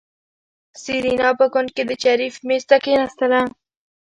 سېرېنا په کونج کې د شريف مېز ته کېناستله.